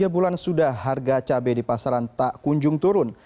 tiga bulan sudah harga cabai di pasaran tak kunjung turun